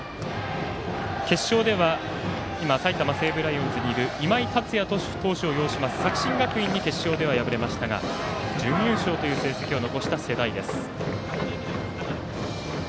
決勝では埼玉西武ライオンズにいる、今井達也投手を擁します作新学院に決勝では敗れましたが準優勝という成績を残した世代です。